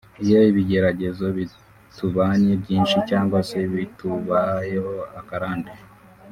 iyo ibigeragezo bitubanye byinshi cyangwa se bitubayeho akarande